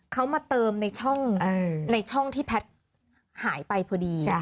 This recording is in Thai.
เขามาเติมในช่องที่แพทย์หายไปพอดี